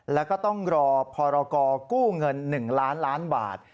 แล้วก็ต้องรอพรกู้เงิน๑ล้านล้านบาท